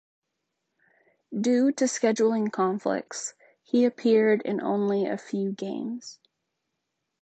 Due to scheduling conflicts, he appeared in only a few games.